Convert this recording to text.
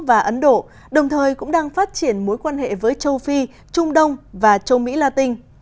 trung quốc và ấn độ đồng thời cũng đang phát triển mối quan hệ với châu phi trung đông và châu mỹ latin